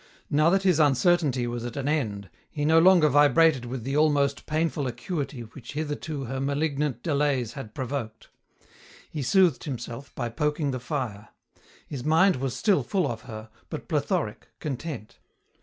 Now that his uncertainty was at an end, he no longer vibrated with the almost painful acuity which hitherto her malignant delays had provoked. He soothed himself by poking the fire. His mind was still full of her, but plethoric, content.